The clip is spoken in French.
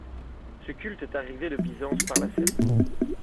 Ce culte est arrivé de Byzance par la Serbie.